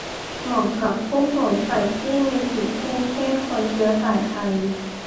เหมาะกับผู้สวมใส่ที่มีผิวเข้ม เช่น คนเชื้อสายไทย